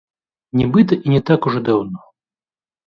Нібыта і не так ужо даўно.